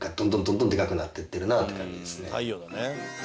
「太陽だね」